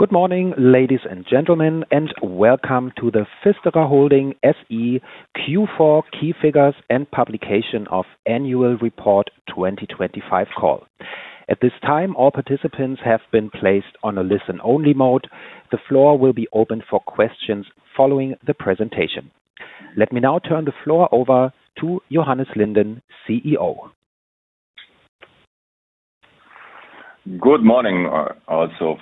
Good morning, ladies and gentlemen, and welcome to the PFISTERER Holding SE Q4 key figures and publication of annual report 2025 call. At this time, all participants have been placed on a listen-only mode. The floor will be open for questions following the presentation. Let me now turn the floor over to Johannes Linden, CEO. Good morning also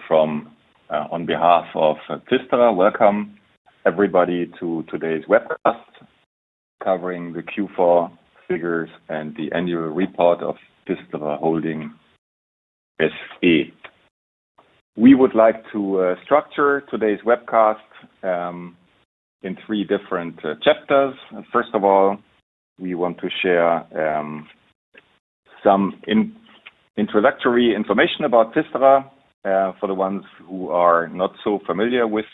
on behalf of PFISTERER. Welcome, everybody, to today's webcast covering the Q4 figures and the annual report of PFISTERER Holding SE. We would like to structure today's webcast in three different chapters. First of all, we want to share some introductory information about PFISTERER for the ones who are not so familiar with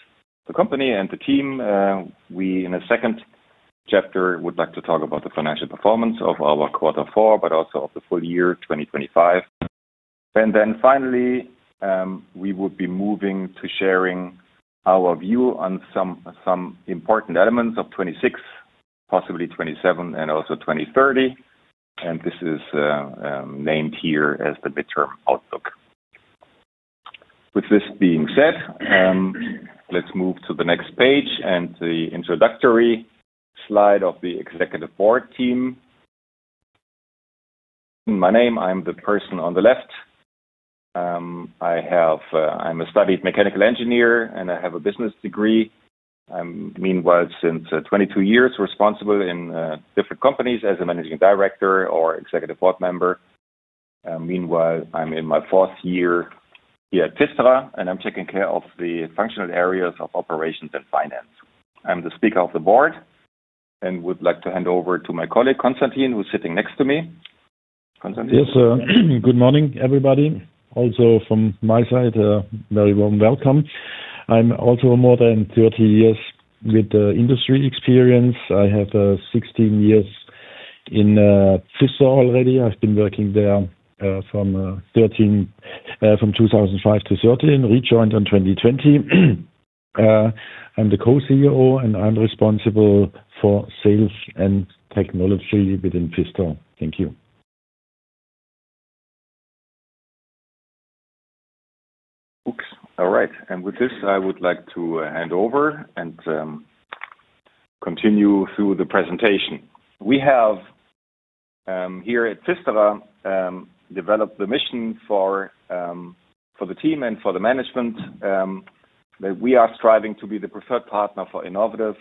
the company and the team. We, in the second chapter, would like to talk about the financial performance of our quarter four, but also of the full year 2025. Finally, we will be moving to sharing our view on some important elements of 2026, possibly 2027, and also 2030. This is named here as the midterm outlook. With this being said, let's move to the next page and the introductory slide of the Executive Board team. My name, I'm the person on the left. I have studied mechanical engineer, and I have a business degree. I'm, meanwhile, since 22 years responsible in different companies as a Managing Director or Executive Board Member. Meanwhile, I'm in my fourth year here at PFISTERER, and I'm taking care of the functional areas of operations and finance. I'm the Speaker of the Board and would like to hand over to my colleague, Konstantin, who's sitting next to me. Konstantin. Yes, good morning, everybody. Also from my side, a very warm welcome. I'm also more than 30 years with the industry experience. I have 16 years in PFISTERER already. I've been working there from 2005 to 2013, rejoined in 2020. I'm the Co-CEO, and I'm responsible for sales and technology within PFISTERER. Thank you. All right. With this, I would like to hand over and continue through the presentation. We have, here at PFISTERER, developed the mission for the team and for the management, that we are striving to be the preferred partner for innovative,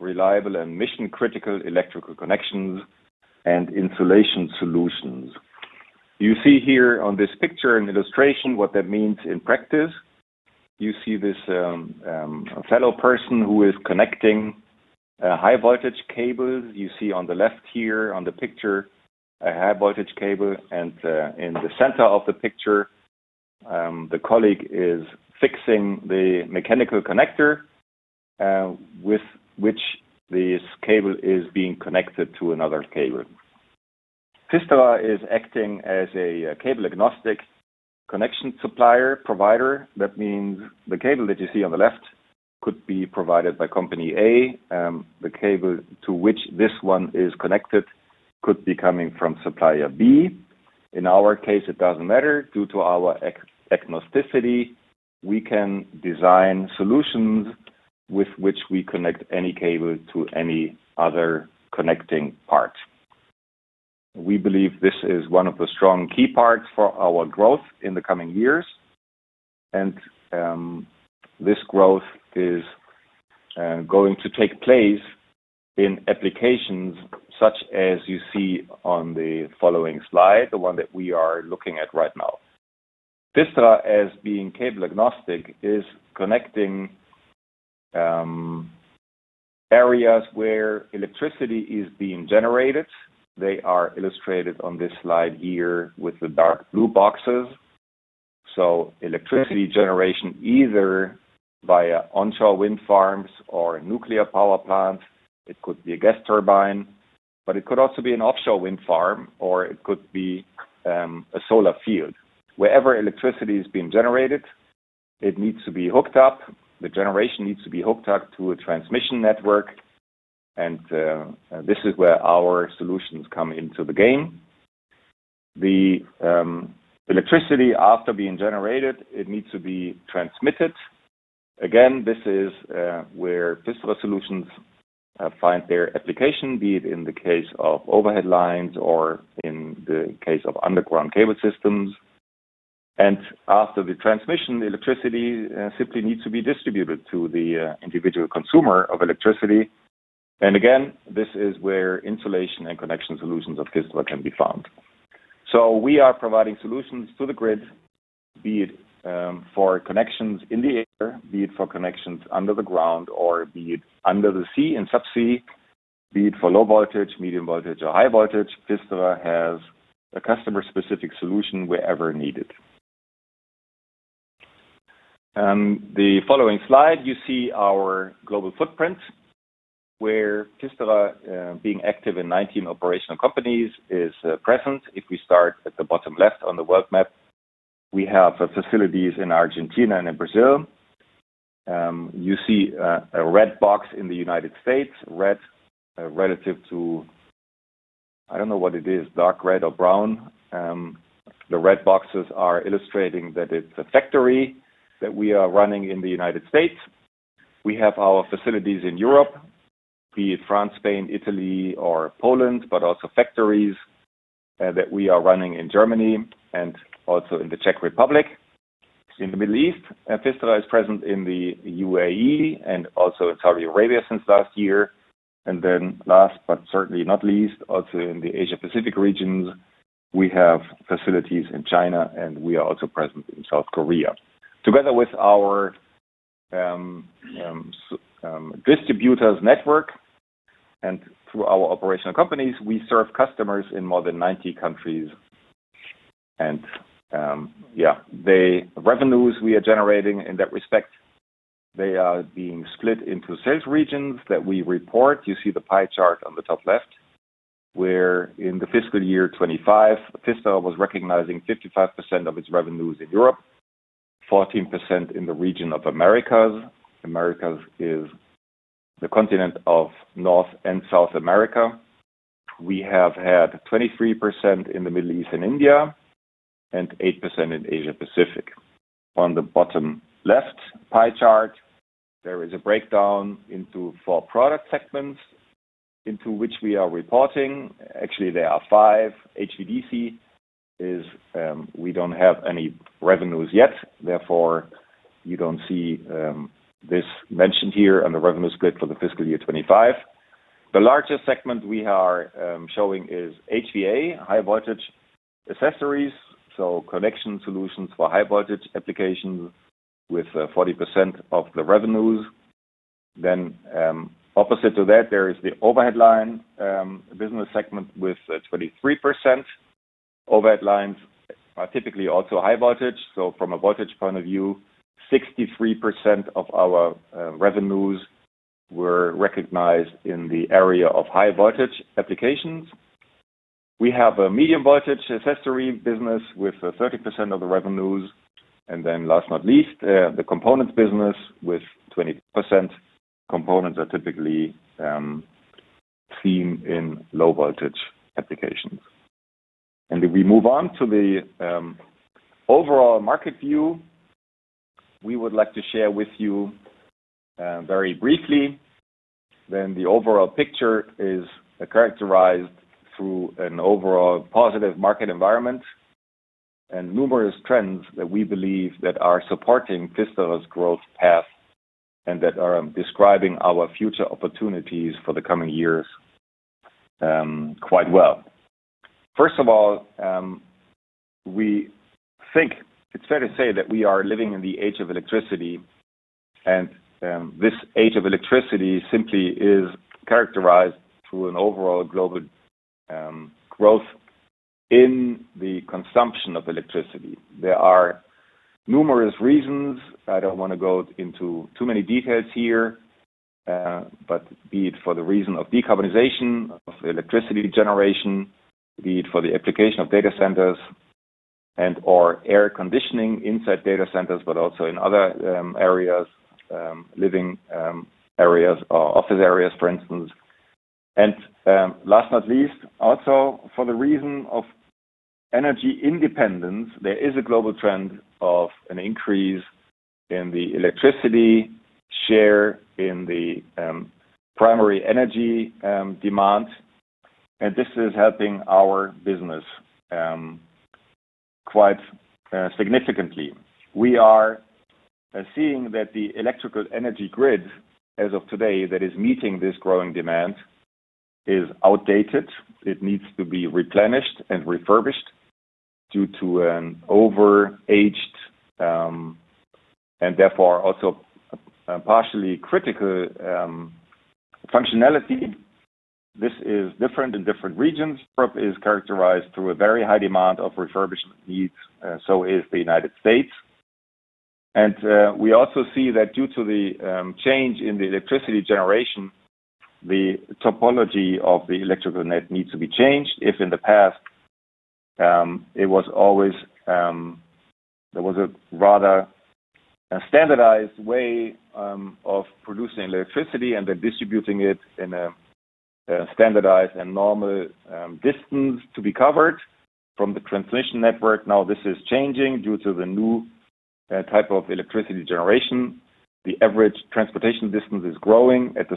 reliable, and mission-critical electrical connections and insulation solutions. You see here on this picture and illustration what that means in practice. You see this fellow person who is connecting a high-voltage cable. You see on the left here on the picture, a high-voltage cable, and in the center of the picture, the colleague is fixing the mechanical connector with which this cable is being connected to another cable. PFISTERER is acting as a cable-agnostic connection supplier, provider. That means the cable that you see on the left could be provided by company A. The cable to which this one is connected could be coming from supplier B. In our case, it doesn't matter. Due to our agnosticity, we can design solutions with which we connect any cable to any other connecting part. We believe this is one of the strong key parts for our growth in the coming years, and this growth is going to take place in applications such as you see on the following slide, the one that we are looking at right now. PFISTERER, as being cable-agnostic, is connecting areas where electricity is being generated. They are illustrated on this slide here with the dark blue boxes. Electricity generation, either via onshore wind farms or nuclear power plant, it could be a gas turbine, but it could also be an offshore wind farm, or it could be a solar field. Wherever electricity is being generated, it needs to be hooked up. The generation needs to be hooked up to a transmission network, and this is where our solutions come into the game. The electricity, after being generated, it needs to be transmitted. Again, this is where PFISTERER solutions find their application, be it in the case of overhead lines or in the case of underground cable systems. After the transmission, the electricity simply needs to be distributed to the individual consumer of electricity. Again, this is where insulation and connection solutions of PFISTERER can be found. We are providing solutions to the grid, be it for connections in the air, be it for connections under the ground, or be it under the sea, and subsea. Be it for low voltage, medium voltage, or high voltage, PFISTERER has a customer-specific solution wherever needed. The following slide, you see our global footprint where PFISTERER being active in 19 operational companies is present. If we start at the bottom left on the world map, we have facilities in Argentina and in Brazil. You see a red box in the United States, red relative to, I don't know what it is, dark red or brown. The red boxes are illustrating that it's a factory that we are running in the United States. We have our facilities in Europe, be it France, Spain, Italy or Poland, but also factories that we are running in Germany and also in the Czech Republic. In the Middle East, PFISTERER is present in the UAE and also in Saudi Arabia since last year. Last but certainly not least, also in the Asia-Pacific region, we have facilities in China, and we are also present in South Korea. Together with our distributors network and through our operational companies, we serve customers in more than 90 countries. Yeah, the revenues we are generating in that respect, they are being split into sales regions that we report. You see the pie chart on the top left, where in the fiscal year 2025, PFISTERER was recognizing 55% of its revenues in Europe, 14% in the region of Americas. Americas is the continent of North and South America. We have had 23% in the Middle East and India, and 8% in Asia Pacific. On the bottom left pie chart, there is a breakdown into four product segments into which we are reporting. Actually, there are five. HVDC is, we don't have any revenues yet, therefore, you don't see this mentioned here on the revenue split for the fiscal year 2025. The largest segment we are showing is HVA, High Voltage Accessories, so connection solutions for high voltage applications with 40% of the revenues. Opposite to that, there is the Overhead Line business segment with 23%. Overhead lines are typically also high voltage. From a voltage point of view, 63% of our revenues were recognized in the area of high voltage applications. We have a Medium Voltage Accessory business with 30% of the revenues. Last not least, the Components business with 20%. Components are typically seen in low voltage applications. If we move on to the overall market view, we would like to share with you very briefly, then the overall picture is characterized through an overall positive market environment and numerous trends that we believe are supporting PFISTERER's growth path and that are describing our future opportunities for the coming years quite well. First of all, we think it's fair to say that we are living in the age of electricity, and this age of electricity simply is characterized through an overall global growth in the consumption of electricity. There are numerous reasons. I don't want to go into too many details here. Be it for the reason of decarbonization of electricity generation, be it for the application of data centers and/or air conditioning inside data centers, but also in other areas, living areas or office areas, for instance. Last not least, also for the reason of energy independence, there is a global trend of an increase in the electricity share in the primary energy demand, and this is helping our business quite significantly. We are seeing that the electrical energy grid, as of today, that is meeting this growing demand is outdated. It needs to be replenished and refurbished due to an overaged and, therefore, also partially critical functionality. This is different in different regions. Europe is characterized through a very high demand of refurbishment needs, so is the United States. We also see that due to the change in the electricity generation, the topology of the electrical net needs to be changed. If in the past there was a rather standardized way of producing electricity and then distributing it in a standardized and normal distance to be covered from the transmission network, now this is changing due to the new type of electricity generation. The average transportation distance is growing. At the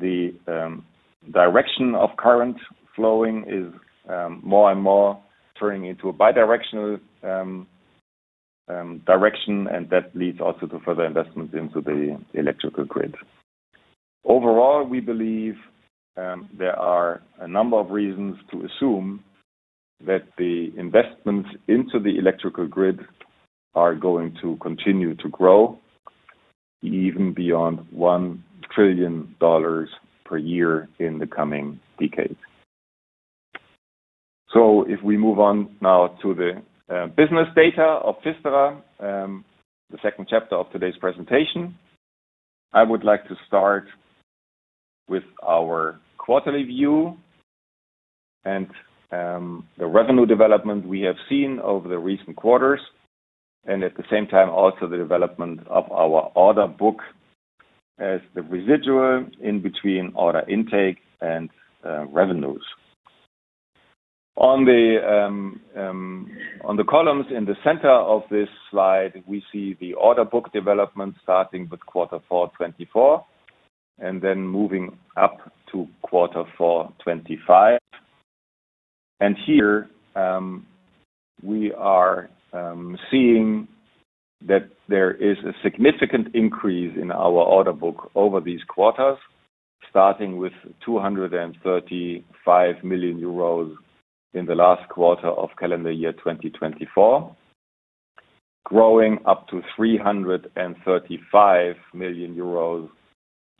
same time, the direction of current flowing is more and more turning into a bidirectional direction, and that leads also to further investments into the electrical grid. Overall, we believe there are a number of reasons to assume that the investments into the electrical grid are going to continue to grow even beyond $1 trillion per year in the coming decades. If we move on now to the business data of PFISTERER, the second chapter of today's presentation, I would like to start with our quarterly view and the revenue development we have seen over the recent quarters, and at the same time, also the development of our order book as the residual in between order intake and revenues. On the columns in the center of this slide, we see the order book development starting with quarter four 2024, and then moving up to quarter four 2025. Here we are seeing that there is a significant increase in our order book over these quarters, starting with 235 million euros in the last quarter of calendar year 2024, growing up to 335 million euros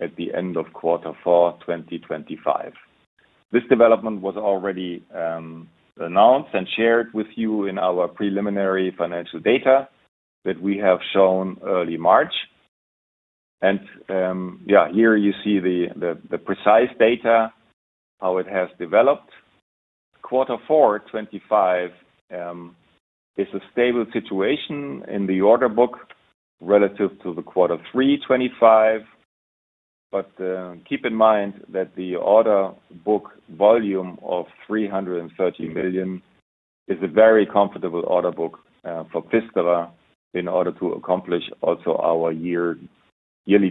at the end of quarter four 2025. This development was already announced and shared with you in our preliminary financial data that we have shown early March. Yeah, here you see the precise data, how it has developed. Quarter four 2025 is a stable situation in the order book relative to the quarter three 2025. Keep in mind that the order book volume of 330 million is a very comfortable order book for PFISTERER in order to accomplish also our yearly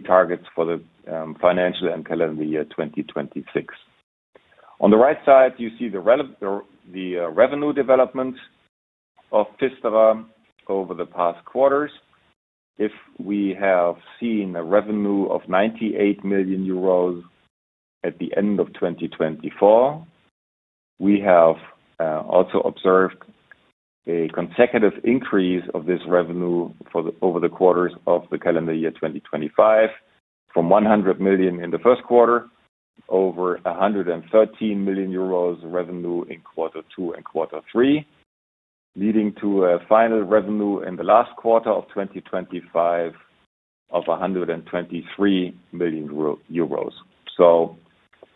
targets for the financial and calendar year 2026. On the right side, you see the revenue development of PFISTERER over the past quarters. If we have seen a revenue of 98 million euros at the end of 2024, we have also observed a consecutive increase of this revenue over the quarters of the calendar year 2025, from 100 million in the first quarter over 113 million euros revenue in quarter two and quarter three, leading to a final revenue in the last quarter of 2025 of 123 million euros.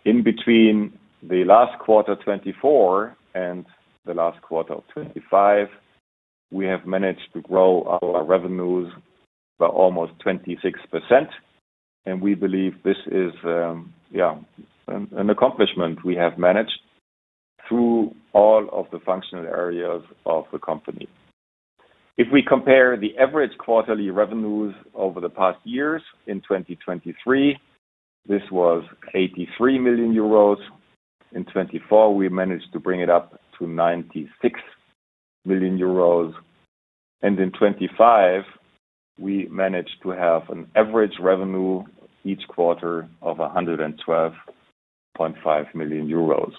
In between the last quarter 2024 and the last quarter of 2025, we have managed to grow our revenues by almost 26%, and we believe this is an accomplishment we have managed through all of the functional areas of the company. If we compare the average quarterly revenues over the past years, in 2023, this was 83 million euros. In 2024, we managed to bring it up to 96 million euros. In 2025, we managed to have an average revenue each quarter of 112.5 million euros.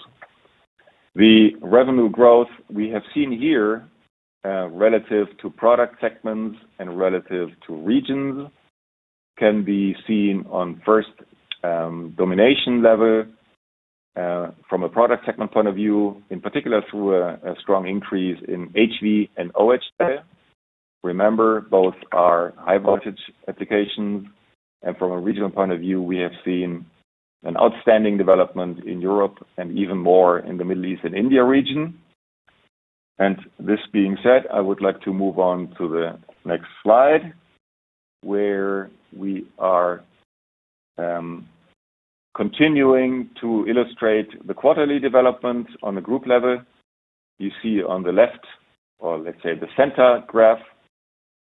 The revenue growth we have seen here, relative to product segments and relative to regions, can be seen on first dimension level, from a product segment point of view, in particular, through a strong increase in HV and OH. Remember, both are high-voltage applications. From a regional point of view, we have seen an outstanding development in Europe and even more in the Middle East and India region. This being said, I would like to move on to the next slide, where we are continuing to illustrate the quarterly development on the group level. You see on the left, or let's say the center graph,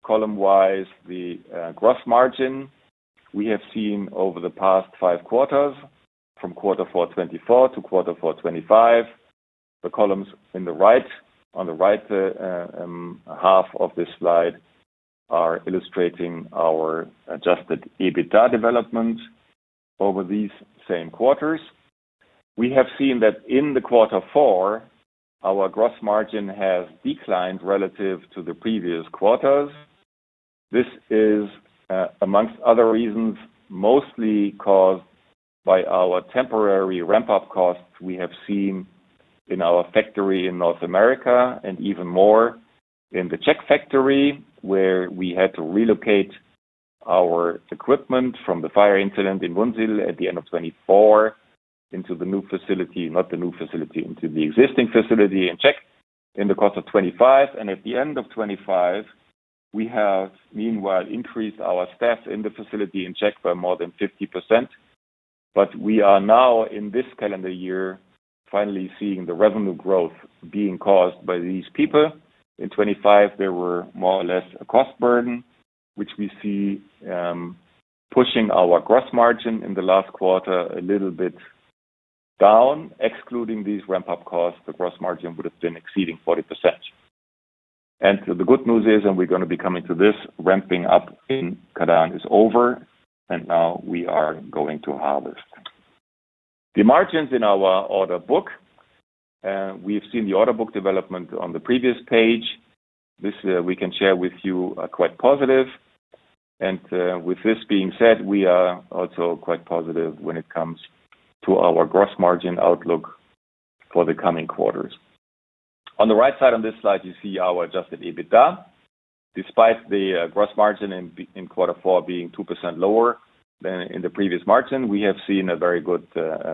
column-wise, the gross margin we have seen over the past five quarters, from quarter four 2024 to quarter four 2025. The columns on the right half of this slide are illustrating our adjusted EBITDA development over these same quarters. We have seen that in the quarter four, our gross margin has declined relative to the previous quarters. This is, amongst other reasons, mostly caused by our temporary ramp-up costs we have seen in our factory in North America, and even more in the Czech factory, where we had to relocate our equipment from the fire incident in Wunsiedel at the end of 2024 into the existing facility in Czech in the course of 2025. At the end of 2025, we have meanwhile increased our staff in the facility in Czech by more than 50%. We are now, in this calendar year, finally seeing the revenue growth being caused by these people. In 2025, they were more or less a cost burden, which we see pushing our gross margin in the last quarter a little bit down. Excluding these ramp-up costs, the gross margin would have been exceeding 40%. The good news is, and we're going to be coming to this, ramping up in Kadaň is over, and now we are going to harvest. The margins in our order book, we've seen the order book development on the previous page. This we can share with you are quite positive. With this being said, we are also quite positive when it comes to our gross margin outlook for the coming quarters. On the right side on this slide, you see our adjusted EBITDA. Despite the gross margin in quarter four being 2% lower than in the previous margin, we have seen a very good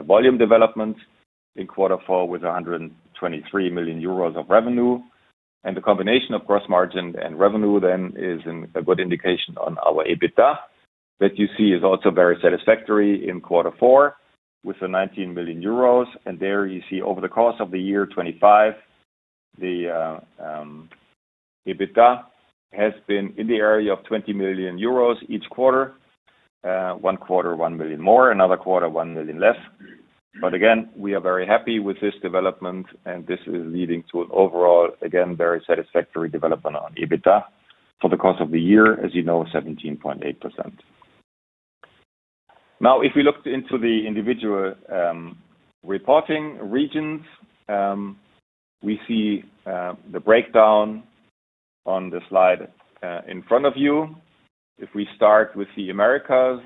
volume development in quarter four with 123 million euros of revenue. The combination of gross margin and revenue then is a good indication on our EBITDA, that you see is also very satisfactory in quarter four with the 19 million euros. There you see over the course of the year 2025, the EBITDA has been in the area of 20 million euros each quarter. One quarter, 1 million more, another quarter, 1 million less. Again, we are very happy with this development, and this is leading to an overall, again, very satisfactory development on EBITDA for the course of the year, as you know, 17.8%. Now, if we look into the individual reporting regions, we see the breakdown on the slide in front of you. If we start with the Americas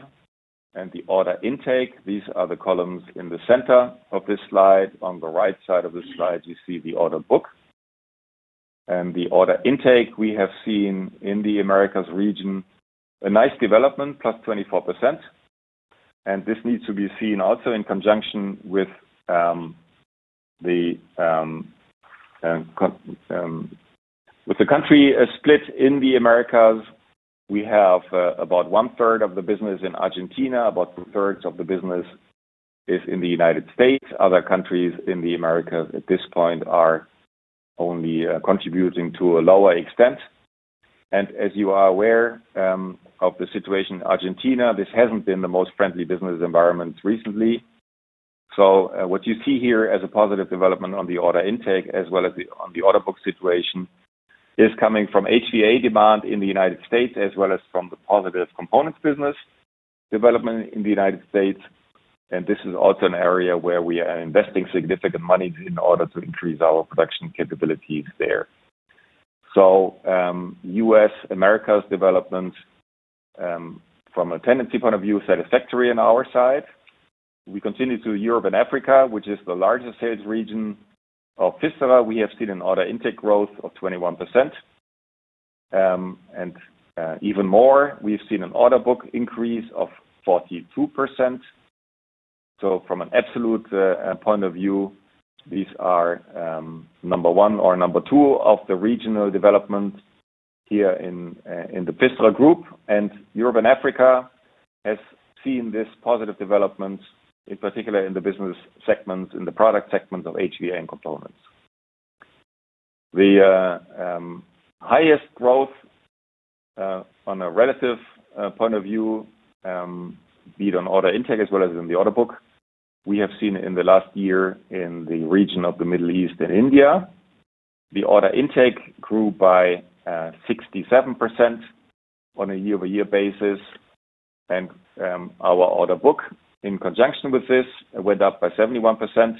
and the order intake, these are the columns in the center of this slide. On the right side of the slide, you see the order book. The order intake we have seen in the Americas region, a nice development, +24%. This needs to be seen also in conjunction with the country split in the Americas. We have about 1/3 of the business in Argentina, about 2/3 of the business is in the United States. Other countries in the Americas at this point are only contributing to a lower extent. As you are aware of the situation in Argentina, this hasn't been the most friendly business environment recently. What you see here as a positive development on the order intake as well as on the order book situation is coming from HVA demand in the United States, as well as from the positive Components business development in the United States. This is also an area where we are investing significant money in order to increase our production capabilities there. U.S. Americas development, from a tendency point of view, satisfactory on our side. We continue to Europe and Africa, which is the largest sales region of PFISTERER. We have seen an order intake growth of 21%. Even more, we've seen an order book increase of 42%. From an absolute point of view, these are number one or number two of the regional development here in the PFISTERER Group. Europe and Africa has seen this positive development, in particular in the business segments, in the product segments of HVA and Components. The highest growth on a relative point of view, be it on order intake as well as in the order book, we have seen in the last year in the region of the Middle East and India. The order intake grew by 67% on a year-over-year basis. Our order book, in conjunction with this, went up by 71%.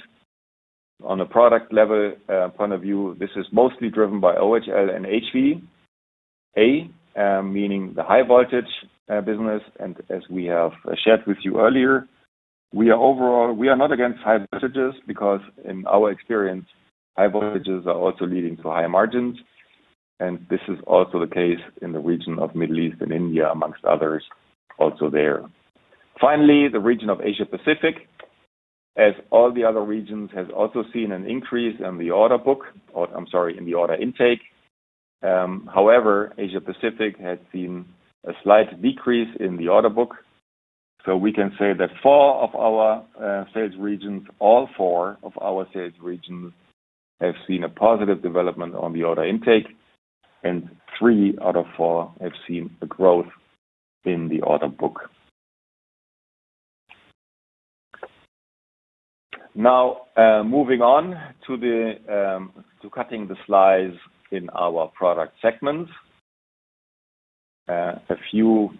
On a product level point of view, this is mostly driven by OHL and HVA, meaning the high voltage business. As we have shared with you earlier, we are not against high voltages because in our experience, high voltages are also leading to higher margins, and this is also the case in the region of Middle East and India, amongst others also there. Finally, the region of Asia Pacific, as all the other regions, has also seen an increase in the order intake. However, Asia Pacific has seen a slight decrease in the order book. We can say that all four of our sales regions have seen a positive development on the order intake, and three out of four have seen a growth in the order book. Now, moving on to cutting the slice in our product segments. A few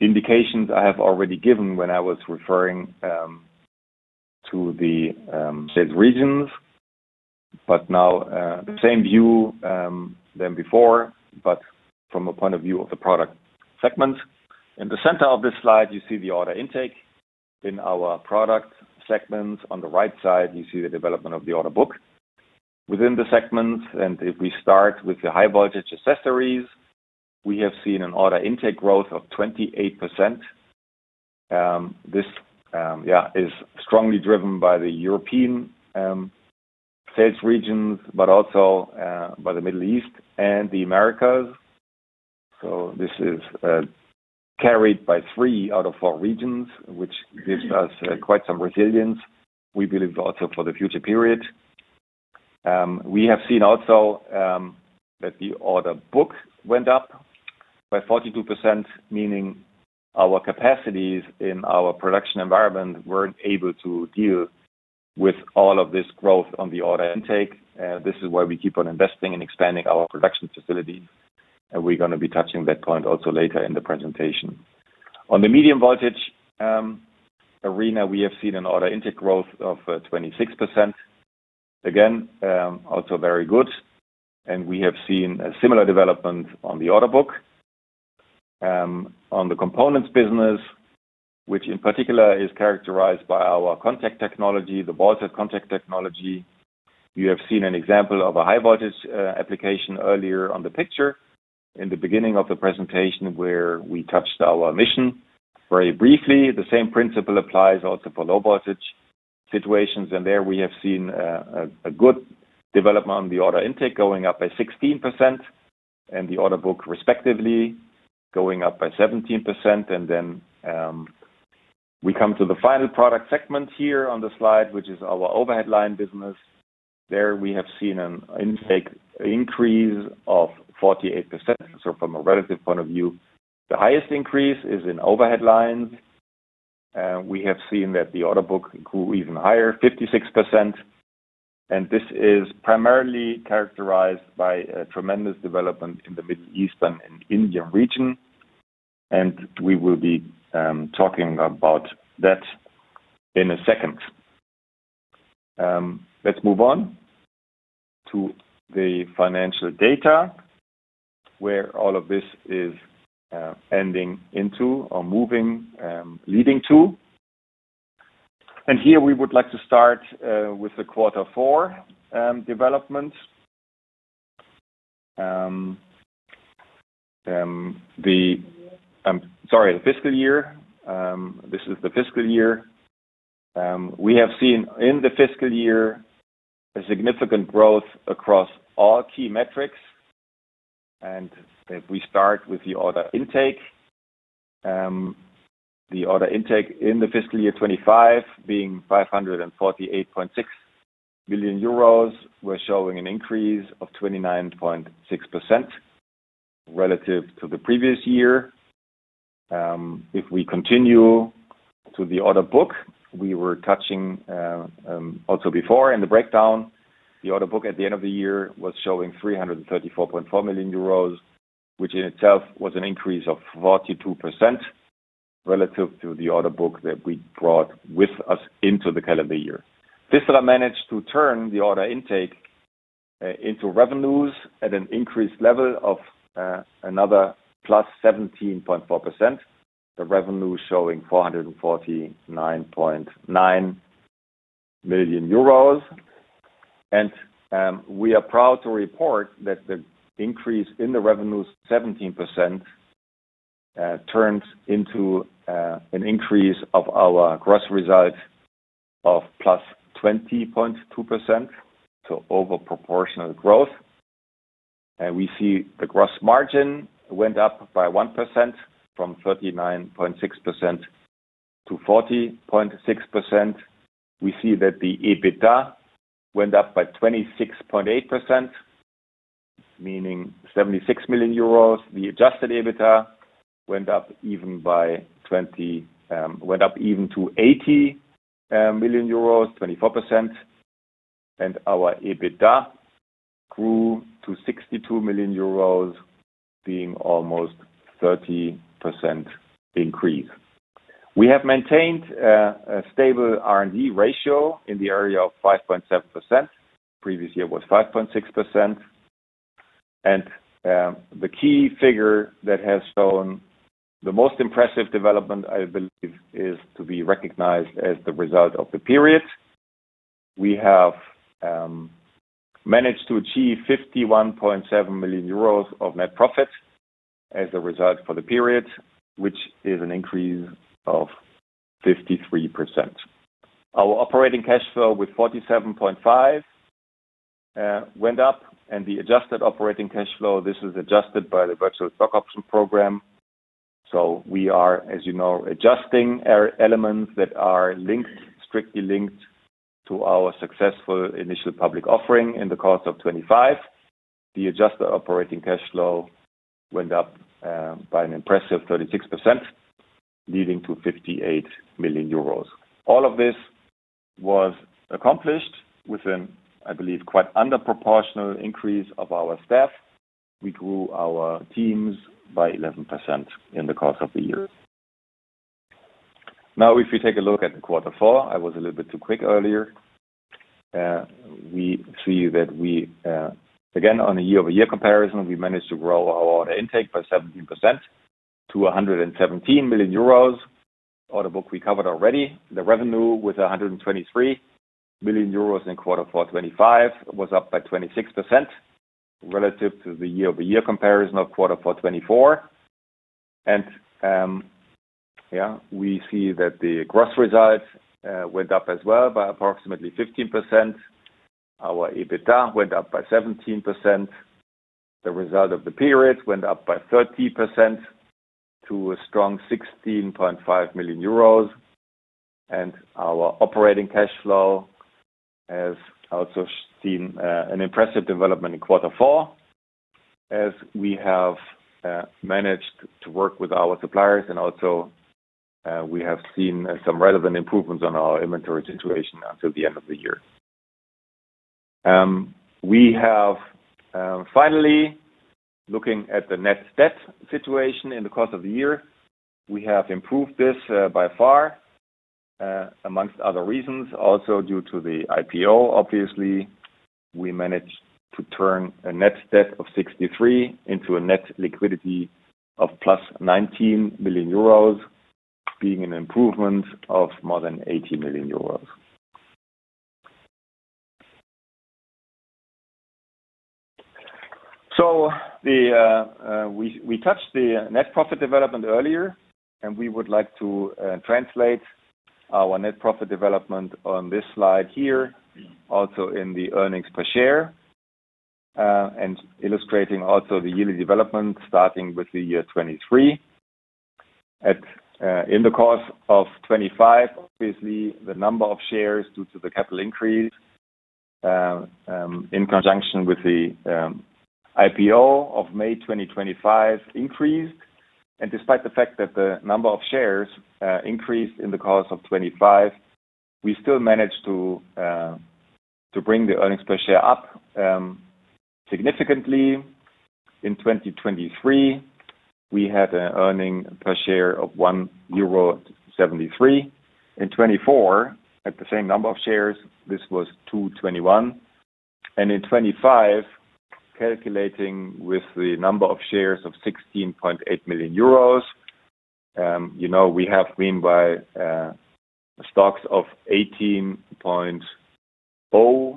indications I have already given when I was referring to the sales regions, but now the same view than before, but from a point of view of the product segment. In the center of this slide, you see the order intake in our product segments. On the right side, you see the development of the order book within the segments. If we start with the High Voltage Accessories, we have seen an order intake growth of 28%. This is strongly driven by the European sales regions, but also by the Middle East and the Americas. This is carried by three out of four regions, which gives us quite some resilience, we believe, also for the future period. We have seen also that the order book went up by 42%, meaning our capacities in our production environment weren't able to deal with all of this growth on the order intake. This is why we keep on investing in expanding our production facility, and we're going to be touching that point also later in the presentation. On the medium voltage arena, we have seen an order intake growth of 26%. Again, also very good, and we have seen a similar development on the order book. On the Components business, which in particular is characterized by our contact technology, the voltage contact technology. You have seen an example of a high voltage application earlier on the picture in the beginning of the presentation, where we touched our mission very briefly. The same principle applies also for low voltage situations, and there we have seen a good development on the order intake going up by 16%, and the order book respectively going up by 17%. We come to the final product segment here on the slide, which is our overhead line business. There we have seen an intake increase of 48%. From a relative point of view, the highest increase is in overhead lines. We have seen that the order book grew even higher, 56%, and this is primarily characterized by a tremendous development in the Middle Eastern and Indian region, and we will be talking about that in a second. Let's move on to the financial data, where all of this is ending into or moving, leading to. Here we would like to start with the quarter four development. Sorry, the fiscal year. This is the fiscal year. We have seen in the fiscal year a significant growth across all key metrics. If we start with the order intake, the order intake in the fiscal year 2025 being 548.6 billion euros, we're showing an increase of 29.6% relative to the previous year. If we continue to the order book, we were touching, also before in the breakdown, the order book at the end of the year was showing 334.4 million euros, which in itself was an increase of 42% relative to the order book that we brought with us into the calendar year. PFISTERER managed to turn the order intake into revenues at an increased level of another +17.4%. The revenue showing 449.9 million euros. We are proud to report that the increase in the revenues, 17%, turns into an increase of our gross result of +20.2%, so over-proportional growth. We see the gross margin went up by 1% from 39.6% to 40.6%. We see that the EBITDA went up by 26.8%, meaning 76 million euros. The adjusted EBITDA went up even to 80 million euros, 24%. Our EBITDA grew to 62 million euros, being almost 30% increase. We have maintained a stable R&D ratio in the area of 5.7%. Previous year was 5.6%. The key figure that has shown the most impressive development, I believe, is to be recognized as the result of the period. We have managed to achieve 51.7 million euros of net profit as a result for the period, which is an increase of 53%. Our operating cash flow with 47.5 million went up, and the adjusted operating cash flow, this is adjusted by the Virtual Stock Option Program. We are, as you know, adjusting elements that are strictly linked to our successful Initial Public Offering in the course of 2025. The adjusted operating cash flow went up by an impressive 36%, leading to 58 million euros. All of this was accomplished with an, I believe, quite underproportional increase of our staff. We grew our teams by 11% in the course of the year. Now, if you take a look at Quarter Four, I was a little bit too quick earlier. We see that we, again, on a year-over-year comparison, we managed to grow our order intake by 17% to 117 million euros. Order book we covered already. The revenue with 123 million euros in quarter four 2025 was up by 26% relative to the year-over-year comparison of quarter four 2024. We see that the gross results went up as well by approximately 15%. Our EBITDA went up by 17%. The result of the period went up by 30% to a strong 16.5 million euros. Our operating cash flow has also seen an impressive development in quarter four as we have managed to work with our suppliers and also we have seen some relevant improvements on our inventory situation until the end of the year. Looking at the net debt situation in the course of the year, we have improved this by far amongst other reasons, also due to the IPO, obviously. We managed to turn a net debt of 63 million into a net liquidity of plus 19 million euros, being an improvement of more than 80 million euros. We touched the net profit development earlier, and we would like to translate our net profit development on this slide here, also in the earnings per share, and illustrating also the yearly development starting with the year 2023. In the course of 2025, obviously, the number of shares due to the capital increase in conjunction with the IPO of May 2025 increased. Despite the fact that the number of shares increased in the course of 2025, we still managed to bring the earnings per share up significantly. In 2023, we had an earnings per share of 1.73 euro. In 2024, at the same number of shares, this was 2.21. In 2025, calculating with the number of shares of 16.8 million. We have meanwhile stocks of 18.0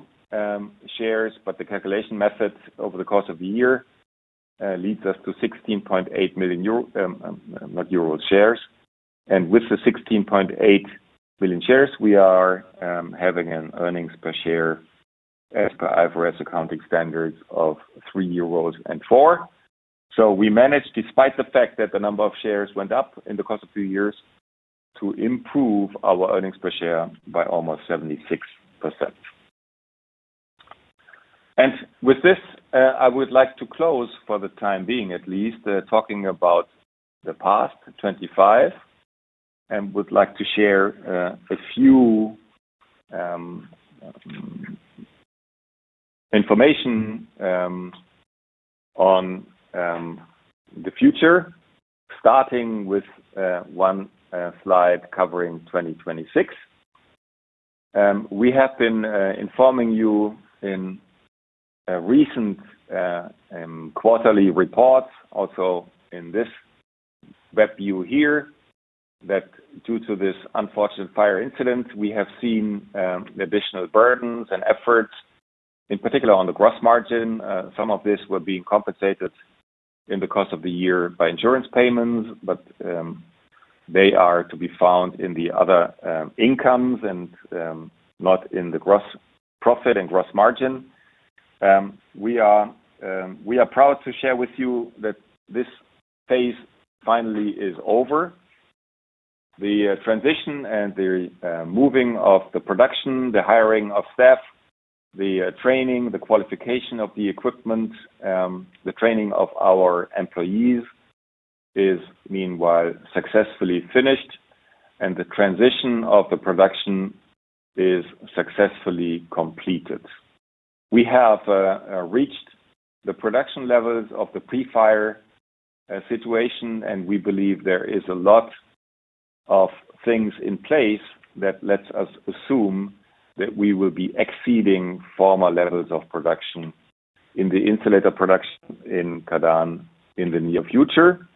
shares, but the calculation method over the course of the year leads us to 16.8 million, not euro, shares. With the 16.8 million shares, we are having an earnings per share as per IFRS accounting standards of 3.04 euros. We managed, despite the fact that the number of shares went up in the course of two years, to improve our earnings per share by almost 76%. With this, I would like to close for the time being at least, talking about the past 2025, and would like to share a few information on the future, starting with one slide covering 2026. We have been informing you in recent quarterly reports, also in this web view here, that due to this unfortunate fire incident, we have seen additional burdens and efforts, in particular on the gross margin. Some of this were being compensated in the course of the year by insurance payments, but they are to be found in the other incomes and not in the gross profit and gross margin. We are proud to share with you that this phase finally is over. The transition and the moving of the production, the hiring of staff, the training, the qualification of the equipment, the training of our employees is meanwhile successfully finished, and the transition of the production is successfully completed. We have reached the production levels of the pre-fire situation, and we believe there is a lot of things in place that lets us assume that we will be exceeding former levels of production in the insulator production in Kadaň in the near future.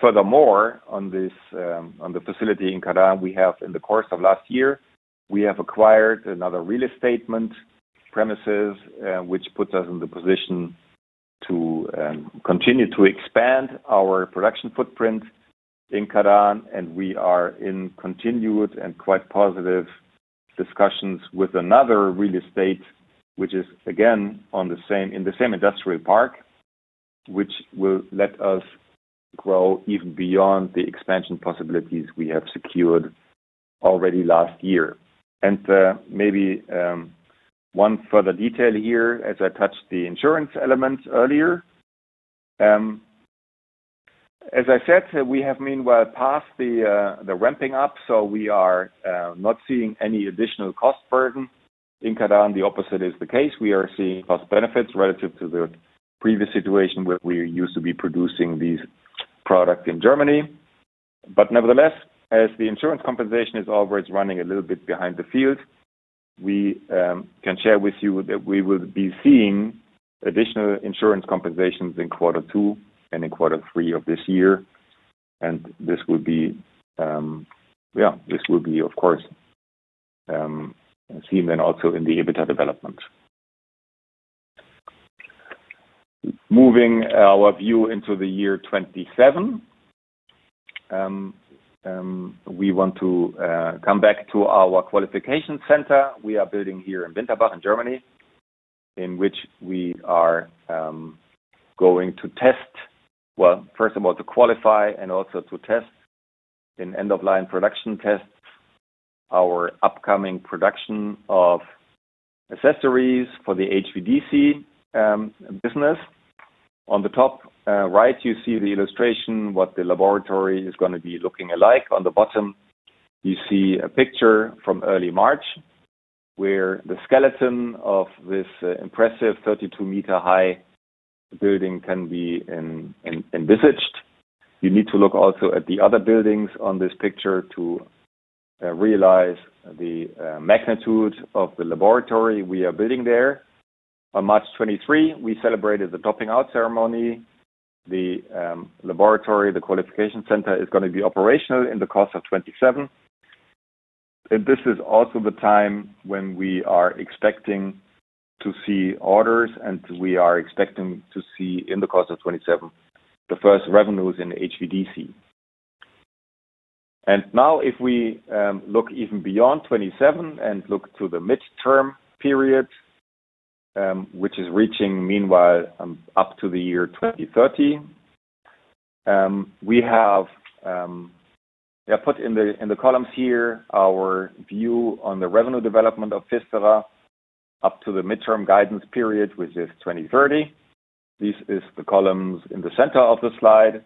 Furthermore, on the facility in Kadaň, in the course of last year, we have acquired another real estate premises, which puts us in the position to continue to expand our production footprint in Kadaň. We are in continued and quite positive discussions with another real estate, which is again in the same industrial park, which will let us grow even beyond the expansion possibilities we have secured already last year. Maybe one further detail here, as I touched the insurance element earlier. As I said, we have meanwhile passed the ramping up, so we are not seeing any additional cost burden in Kadaň. The opposite is the case. We are seeing cost benefits relative to the previous situation where we used to be producing these products in Germany. Nevertheless, as the insurance compensation is always running a little bit behind the field, we can share with you that we will be seeing additional insurance compensations in quarter two and in quarter three of this year. This would be, of course, seen then also in the EBITDA development. Moving our view into the year 2027, we want to come back to our qualification center we are building here in Winterbach in Germany, in which we are going to test, well, first of all, to qualify and also to test in end-of-line production tests our upcoming production of accessories for the HVDC business. On the top right, you see the illustration, what the laboratory is going to be looking like. On the bottom, you see a picture from early March where the skeleton of this impressive 32 meter high building can be envisaged. You need to look also at the other buildings on this picture to realize the magnitude of the laboratory we are building there. On March 23, we celebrated the topping out ceremony. The laboratory, the qualification center is going to be operational in the course of 2027. This is also the time when we are expecting to see orders, and we are expecting to see, in the course of 2027, the first revenues in HVDC. Now if we look even beyond 2027 and look to the midterm period, which is reaching meanwhile up to the year 2030, we have put in the columns here our view on the revenue development of PFISTERER up to the midterm guidance period, which is 2030. This is the columns in the center of the slide,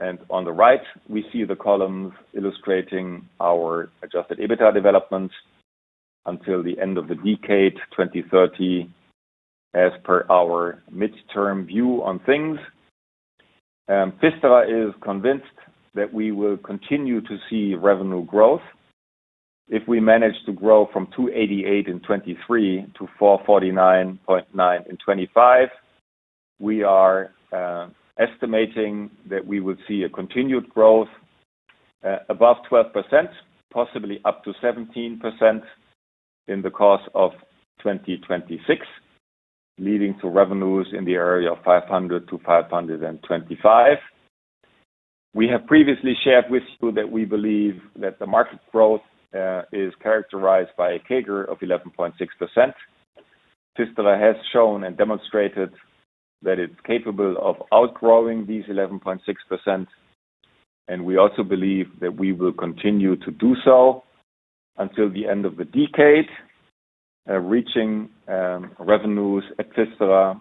and on the right, we see the columns illustrating our adjusted EBITDA development until the end of the decade, 2030, as per our midterm view on things. PFISTERER is convinced that we will continue to see revenue growth if we manage to grow from 288 million in 2023 to 449.9 million in 2025. We are estimating that we will see a continued growth above 12%, possibly up to 17%, in the course of 2026, leading to revenues in the area of 500 million to 525 million. We have previously shared with you that we believe that the market growth is characterized by a CAGR of 11.6%. PFISTERER has shown and demonstrated that it's capable of outgrowing these 11.6%, and we also believe that we will continue to do so until the end of the decade, reaching revenues at PFISTERER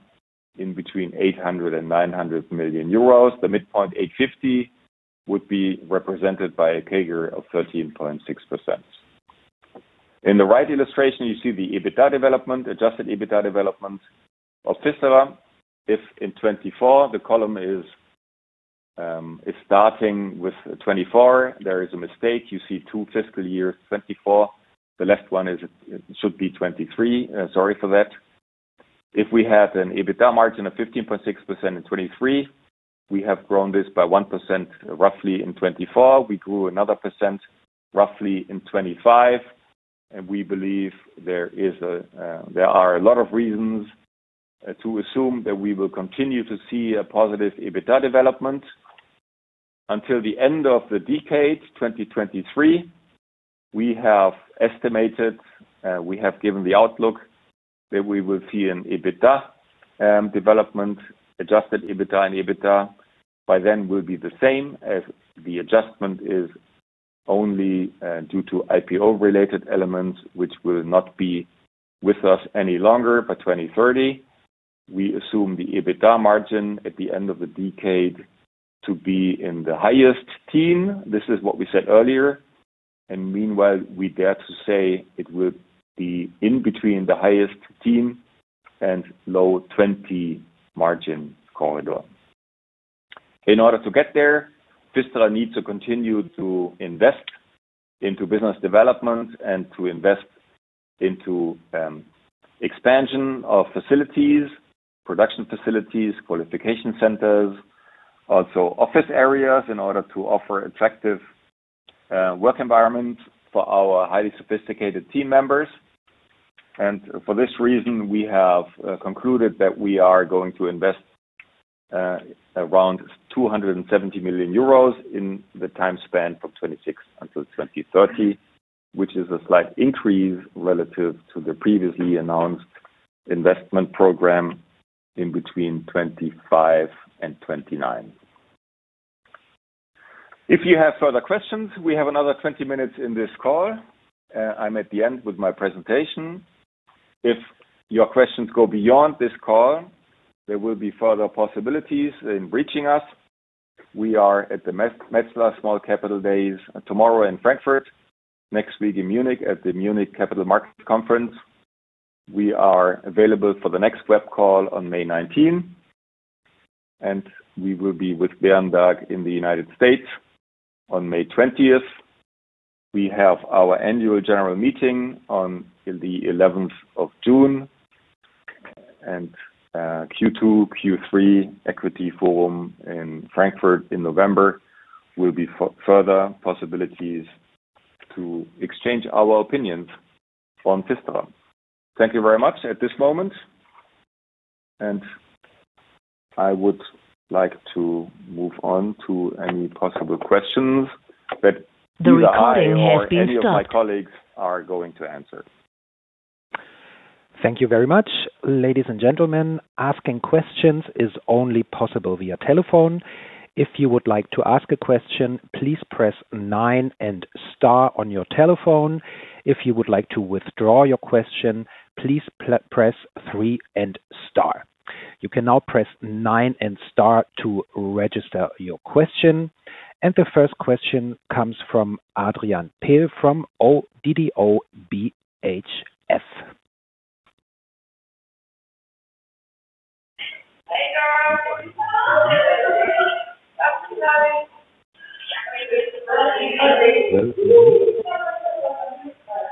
in between 800 million euros and 900 million euros. The midpoint, 850 million, would be represented by a CAGR of 13.6%. In the right illustration, you see the EBITDA development, adjusted EBITDA development of PFISTERER. If in 2024, the column is starting with 2024, there is a mistake. You see two fiscal years, 2024. The left one should be 2023. Sorry for that. If we had an EBITDA margin of 15.6% in 2023, we have grown this by 1% roughly in 2024. We grew another % roughly in 2025. We believe there are a lot of reasons to assume that we will continue to see a positive EBITDA development until the end of the decade, 2030. We have estimated, we have given the outlook that we will see an EBITDA development. Adjusted EBITDA and EBITDA by then will be the same, as the adjustment is only due to IPO-related elements, which will not be with us any longer by 2030. We assume the EBITDA margin at the end of the decade to be in the highest teen%. This is what we said earlier. Meanwhile, we dare to say it will be in between the highest teen% and low 20% margin corridor. In order to get there, PFISTERER needs to continue to invest into business development and to invest into expansion of facilities, production facilities, qualification centers, also office areas in order to offer attractive work environment for our highly sophisticated team members. For this reason, we have concluded that we are going to invest around 270 million euros in the time span from 2026 to 2030, which is a slight increase relative to the previously announced investment program in between 2025 and 2029. If you have further questions, we have another 20 minutes in this call. I'm at the end with my presentation. If your questions go beyond this call, there will be further possibilities in reaching us. We are at the Metzler Small Cap Days tomorrow in Frankfurt, next week in Munich at the Munich Capital Market Conference. We are available for the next web call on May 19, and we will be with Berenberg in the United States on May 20th. We have our Annual General Meeting on the 11th of June, and Q2, Q3 Equity Forum in Frankfurt in November will be further possibilities to exchange our opinions on PFISTERER. Thank you very much at this moment. I would like to move on to any possible questions that either I or any of my colleagues are going to answer. Thank you very much. Ladies and gentlemen, asking questions is only possible via telephone. If you would like to ask a question, please press nine and star on your telephone. If you would like to withdraw your question, please press three and star. You can now press nine and star to register your question. The first question comes from Adrian Pehl from ODDO BHF.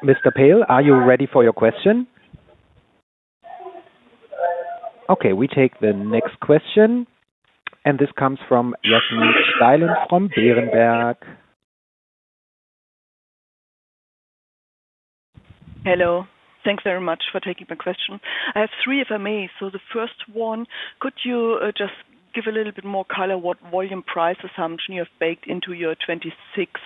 Mr. Pehl, are you ready for your question? Okay, we take the next question, and this comes from Yasmin Steilen from Berenberg. Hello. Thanks very much for taking my question. I have three, if I may. The first one, could you just give a little bit more color what volume price assumption you have baked into your 2026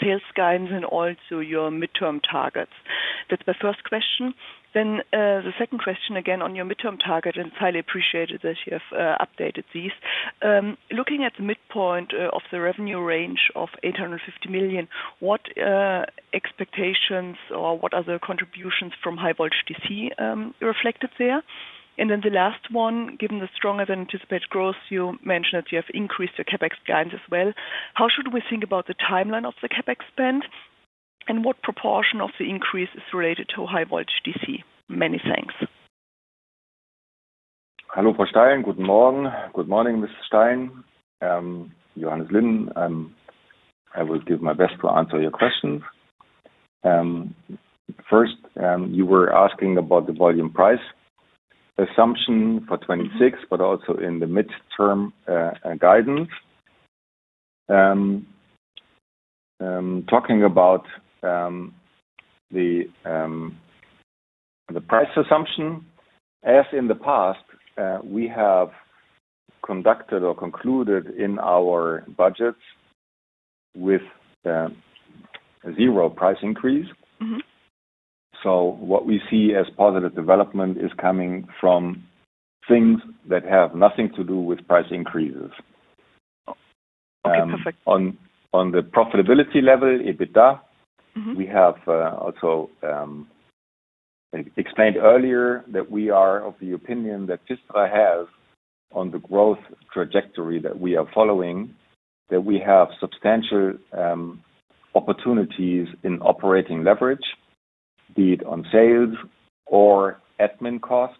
sales guidance and also your midterm targets? That's my first question. The second question, again, on your midterm target, and it's highly appreciated that you have updated these. Looking at the midpoint of the revenue range of 850 million, what expectations or what other contributions from high-voltage DC reflected there? The last one, given the stronger than anticipated growth, you mentioned that you have increased your CapEx guidance as well. How should we think about the timeline of the CapEx spend, and what proportion of the increase is related to high-voltage DC? Many thanks. Hello, Ms. Steilen. Good morning, Ms. Steilen. Johannes Linden. I will give my best to answer your questions. First, you were asking about the volume price assumption for 2026, but also in the midterm guidance. Talking about the price assumption, as in the past, we have conducted or concluded in our budgets with a zero price increase. Mm-hmm. What we see as positive development is coming from things that have nothing to do with price increases. Okay, perfect. On the profitability level, EBITDA. Mm-hmm. We have also explained earlier that we are of the opinion that seeing as, on the growth trajectory that we are following, that we have substantial opportunities in operating leverage, be it on sales or admin costs.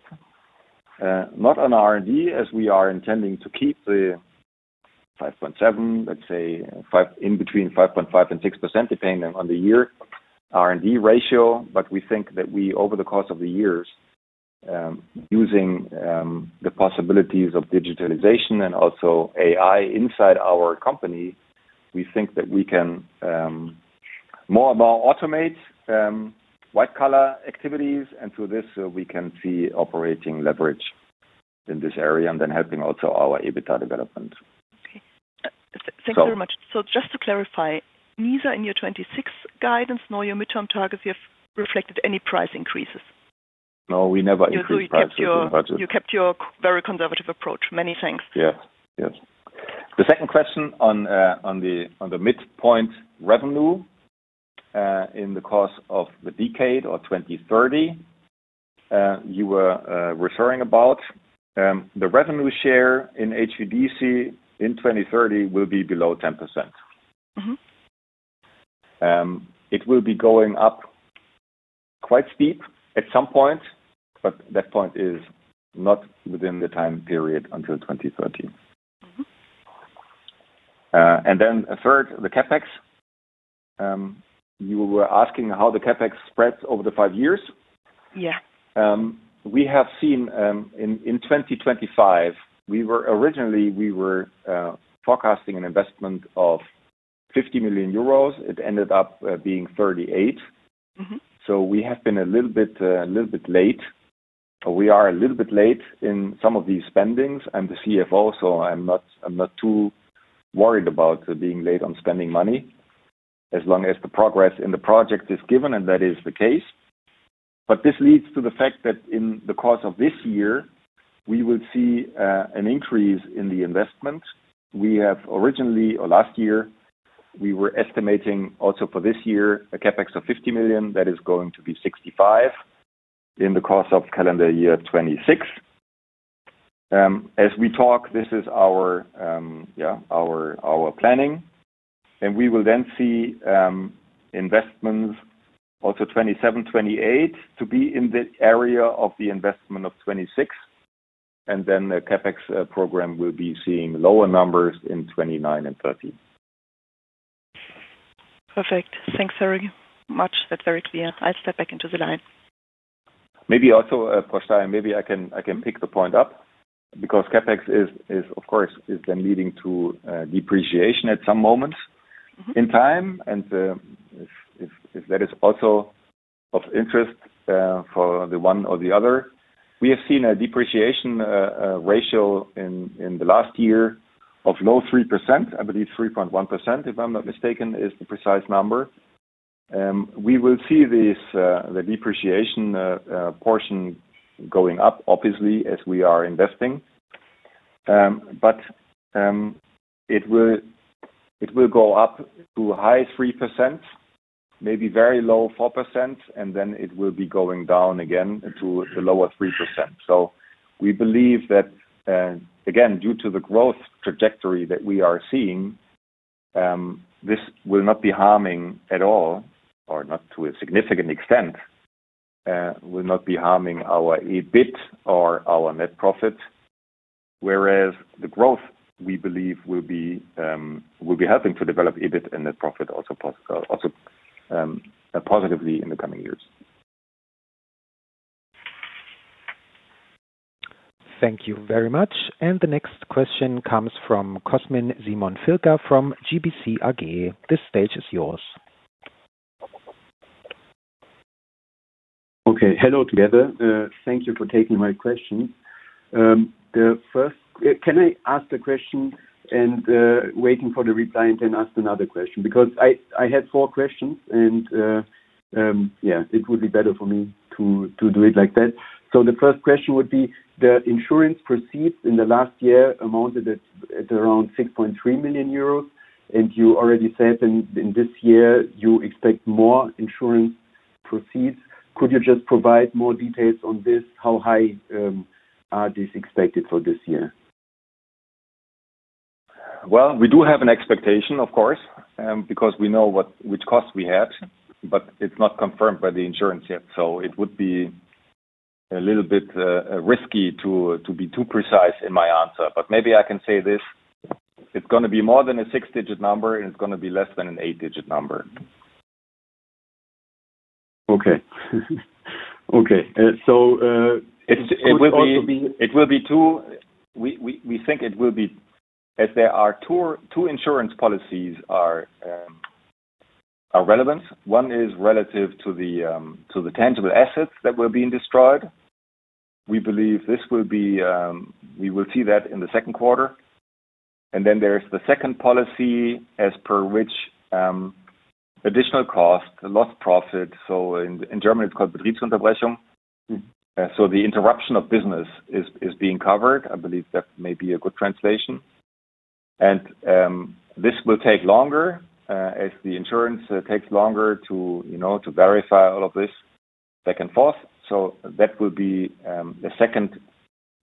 Not on R&D, as we are intending to keep the 5.7%, let's say, in between 5.5% and 6%, depending on the year, R&D ratio. We think that we, over the course of the years, using the possibilities of digitalization and also AI inside our company, we think that we can more and more automate white-collar activities. Through this, we can see operating leverage in this area and then helping also our EBITDA development. Thank you very much. Just to clarify, neither in your 2026 guidance nor your midterm targets you have reflected any price increases? No, we never increase prices in budgets. You kept your very conservative approach. Many thanks. Yeah. The second question on the midpoint revenue, in the course of the decade or 2030, you were referring about, the revenue share in HVDC in 2030 will be below 10%. Mm-hmm. It will be going up quite steep at some point, but that point is not within the time period until 2030. Mm-hmm. Third, the CapEx. You were asking how the CapEx spreads over the five years? Yeah. We have seen in 2025, originally, we were forecasting an investment of 50 million euros. It ended up being 38 million. Mm-hmm. We are a little bit late in some of these spendings. I'm the CFO, so I'm not too worried about being late on spending money, as long as the progress in the project is given, and that is the case. This leads to the fact that in the course of this year, we will see an increase in the investment. Originally or last year, we were estimating also for this year, a CapEx of 50 million. That is going to be 65 million in the course of calendar year 2026. As we talk, this is our planning, and we will then see investments also 2027, 2028 to be in the area of the investment of 2026. The CapEx program will be seeing lower numbers in 2029 and 2030. Perfect, thanks very much. That's very clear. I'll step back into the line. Maybe also, Ms. Steilen, maybe I can pick the point up because CapEx, of course, is then leading to depreciation at some moment in time. If that is also of interest for the one or the other, we have seen a depreciation ratio in the last year of low 3%, I believe 3.1%, if I'm not mistaken, is the precise number. We will see the depreciation portion going up, obviously, as we are investing. It will go up to high 3%, maybe very low 4%, and then it will be going down again to the lower 3%. We believe that, again, due to the growth trajectory that we are seeing, this will not be harming at all, or not to a significant extent, will not be harming our EBIT or our net profit. The growth we believe will be helping to develop EBIT and net profit also positively in the coming years. Thank you very much. The next question comes from Cosmin Filker from GBC AG. The stage is yours. Okay. Hello together. Thank you for taking my question. First, can I ask the question and waiting for the reply and then ask another question? Because I had four questions and, yeah, it would be better for me to do it like that. The first question would be the insurance proceeds in the last year amounted at around 6.3 million euros. You already said in this year you expect more insurance proceeds. Could you just provide more details on this? How high are these expected for this year? Well, we do have an expectation, of course, because we know which costs we had, but it's not confirmed by the insurance yet. It would be a little bit risky to be too precise in my answer. Maybe I can say this. It's going to be more than a six-digit number, and it's going to be less than an eight-digit number. Okay. We think it will be as there are two insurance policies are relevant. One is relative to the tangible assets that were being destroyed. We believe we will see that in the second quarter. There is the second policy as per which additional cost, lost profit, so in German it's called Betriebsunterbrechung. The interruption of business is being covered. I believe that may be a good translation. This will take longer as the insurance takes longer to verify all of this back and forth. That will be the second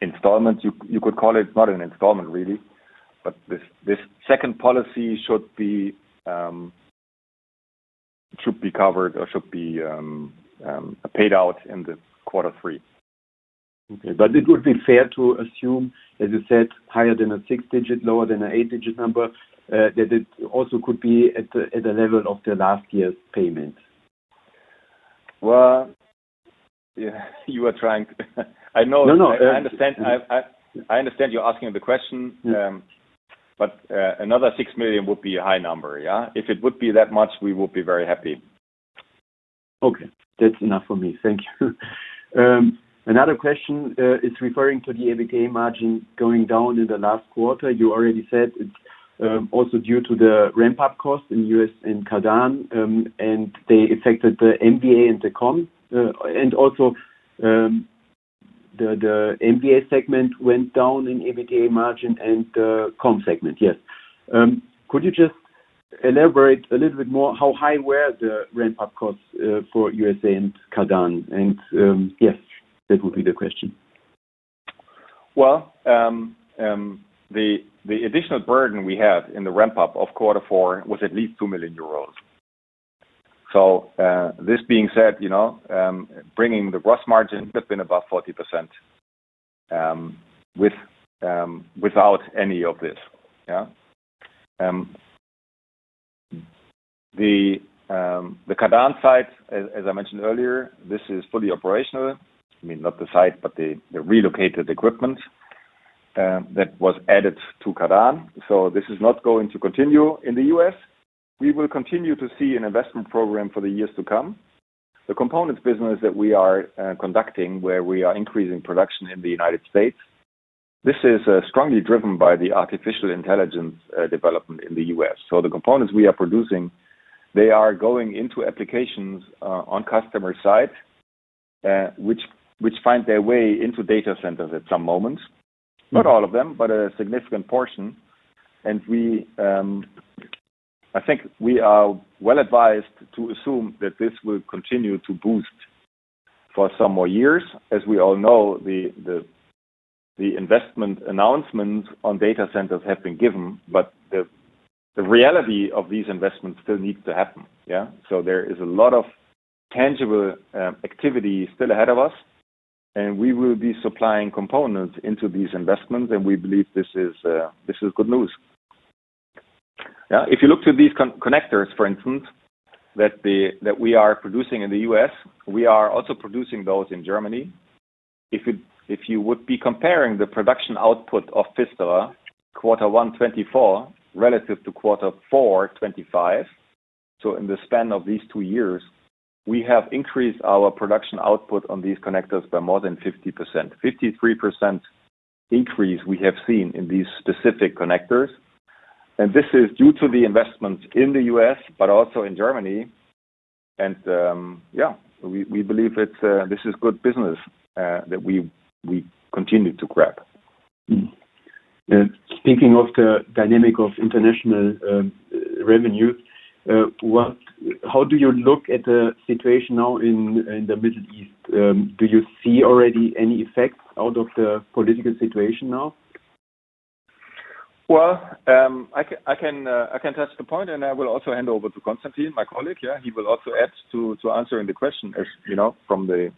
installment. You could call it not an installment really, but this second policy should be covered or should be paid out in the quarter three. Okay. It would be fair to assume, as you said, higher than a six-digit, lower than an eight-digit number, that it also could be at the level of the last year's payment. Well, you are trying to, I know. No. I understand you're asking the question. Yeah. Another 6 million would be a high number, yeah. If it would be that much, we would be very happy. Okay. That's enough for me. Thank you. Another question is referring to the EBITDA margin going down in the last quarter. You already said it's also due to the ramp-up cost in U.S. and Kadaň, and they affected the MVA and the COM. Also the MVA segment went down in EBITDA margin and the COM segment, yes. Could you just elaborate a little bit more how high were the ramp-up costs for USA and Kadaň? Yes, that would be the question. Well, the additional burden we had in the ramp-up of quarter four was at least 2 million euros. This being said, bringing the gross margin could have been above 40% without any of this. Yeah. The Kadaň site, as I mentioned earlier, this is fully operational. I mean, not the site, but the relocated equipment that was added to Kadaň. This is not going to continue in the U.S. We will continue to see an investment program for the years to come. The components business that we are conducting, where we are increasing production in the United States, this is strongly driven by the artificial intelligence development in the U.S. The components we are producing, they are going into applications on customer site, which find their way into data centers at some moment. Not all of them, but a significant portion. I think we are well advised to assume that this will continue to boost for some more years. As we all know, the investment announcements on data centers have been given, but the reality of these investments still need to happen. Yeah. There is a lot of tangible activity still ahead of us, and we will be supplying components into these investments, and we believe this is good news. If you look to these connectors, for instance, that we are producing in the U.S., we are also producing those in Germany. If you would be comparing the production output of PFISTERER quarter one 2024 relative to quarter four 2025, in the span of these two years, we have increased our production output on these connectors by more than 50%. 53% increase we have seen in these specific connectors. This is due to the investment in the U.S., but also in Germany. Yeah, we believe that this is good business that we continue to grab. Mm-hmm. Speaking of the dynamic of international revenue, how do you look at the situation now in the Middle East? Do you see already any effects out of the political situation now? Well, I can touch the point, and I will also hand over to Konstantin, my colleague. Yeah, he will also add to answering the question, as you know, from the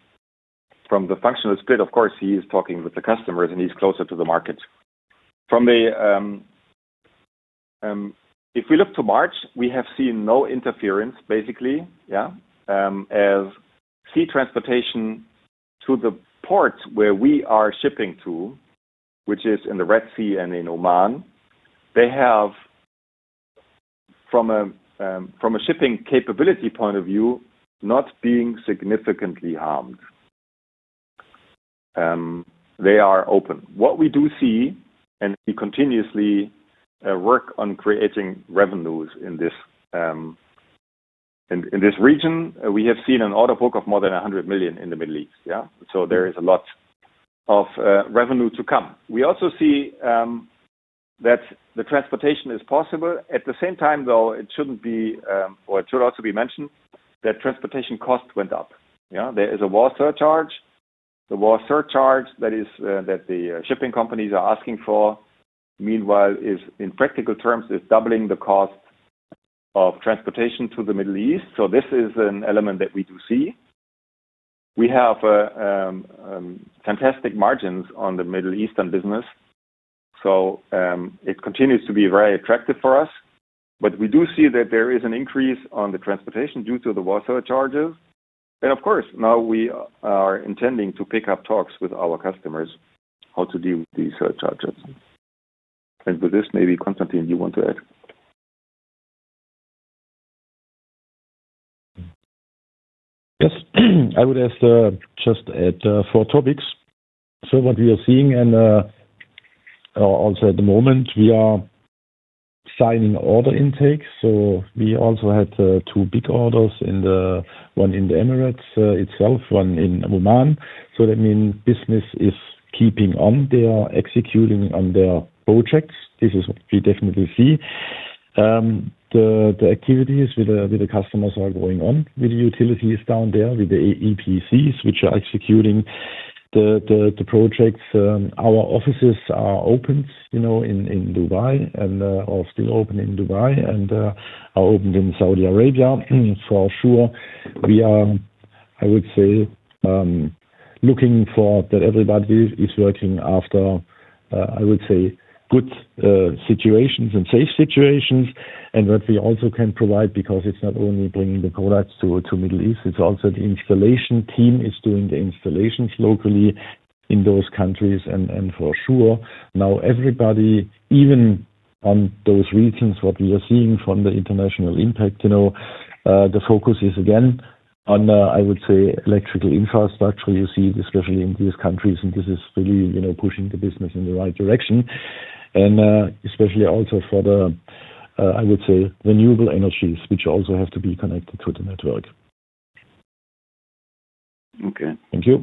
functional split, of course, he is talking with the customers, and he's closer to the market. If we look to March, we have seen no interference, basically, yeah, as sea transportation to the ports where we are shipping to, which is in the Red Sea and in Oman. They have, from a shipping capability point of view, not being significantly harmed. They are open. What we do see, and we continuously work on creating revenues in this region, we have seen an order book of more than 100 million in the Middle East, yeah. There is a lot of revenue to come. We also see that the transportation is possible. At the same time, though, it should also be mentioned that transportation costs went up. Yeah. There is a war surcharge. The war surcharge that the shipping companies are asking for, meanwhile, in practical terms, is doubling the cost of transportation to the Middle East. This is an element that we do see. We have fantastic margins on the Middle Eastern business, so it continues to be very attractive for us. We do see that there is an increase on the transportation due to the war surcharges. Of course, now we are intending to pick up talks with our customers how to deal with these surcharges. With this, maybe, Konstantin, you want to add? Yes, I would just add four topics. What we are seeing, and also at the moment, we are signing order intakes. We also had two big orders, one in the Emirates itself, one in Oman. That means business is keeping on. They are executing on their projects. This is what we definitely see. The activities with the customers are going on with the utilities down there, with the EPCs, which are executing the projects. Our offices are still open in Dubai and are opened in Saudi Arabia. For sure, we are, I would say, looking for that everybody is working after, I would say, good situations and safe situations. What we also can provide, because it's not only bringing the products to Middle East, it's also the installation team is doing the installations locally in those countries. For sure, now everybody, even on those regions, what we are seeing from the international impact, the focus is again on, I would say, electrical infrastructure, you see, especially in these countries, and this is really pushing the business in the right direction, especially also for the, I would say, renewable energies, which also have to be connected to the network. Okay. Thank you.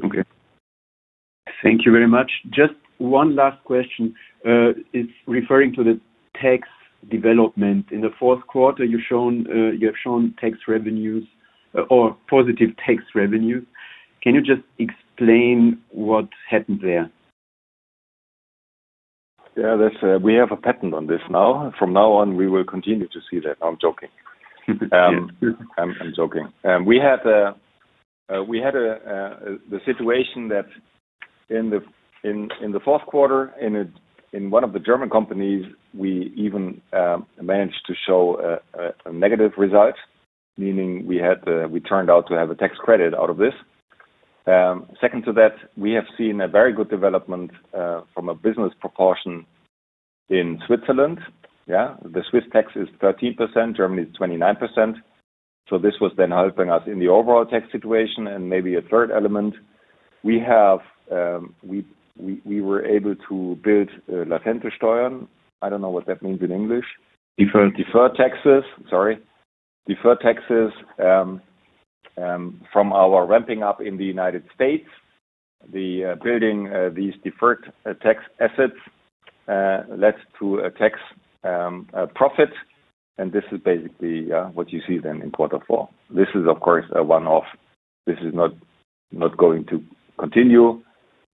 Thank you very much. Just one last question. It's referring to the tax development. In the fourth quarter, you have shown tax revenues or positive tax revenue. Can you just explain what happened there? Yeah, we have a patent on this now. From now on, we will continue to see that. I'm joking. We had the situation that in the fourth quarter, in one of the German companies, we even managed to show a negative result, meaning we turned out to have a tax credit out of this. Second to that, we have seen a very good development from a business proportion in Switzerland, yeah. The Swiss tax is 13%, Germany is 29%. This was then helping us in the overall tax situation, and maybe a third element, we were able to build a Latente Steuern. I don't know what that means in English. Deferred. Deferred taxes from our ramping up in the United States. Building these deferred tax assets led to a tax profit, and this is basically what you see then in quarter four. This is, of course, a one-off. This is not going to continue.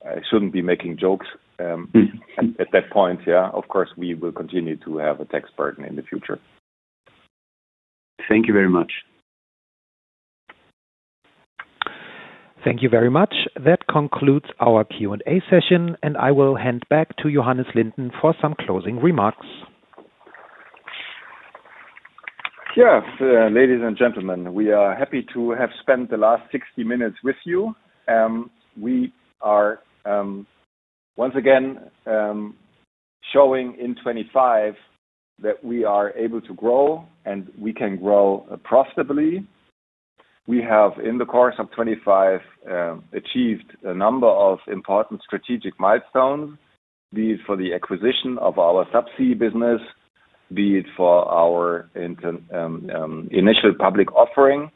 I shouldn't be making jokes at that point, yeah. Of course, we will continue to have a tax burden in the future. Thank you very much. Thank you very much. That concludes our Q&A session, and I will hand back to Johannes Linden for some closing remarks. Yes. Ladies and gentlemen, we are happy to have spent the last 60 minutes with you. We are, once again, showing in 2025 that we are able to grow, and we can grow profitably. We have, in the course of 2025, achieved a number of important strategic milestones, be it for the acquisition of our subsea business, be it for our initial public offering,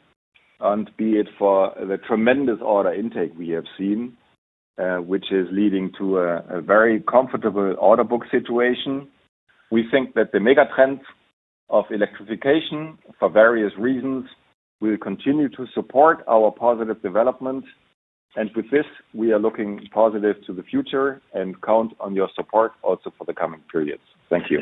and be it for the tremendous order intake we have seen, which is leading to a very comfortable order book situation. We think that the megatrends of electrification for various reasons will continue to support our positive development. With this, we are looking positive to the future and count on your support also for the coming periods. Thank you.